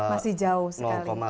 masih jauh sekali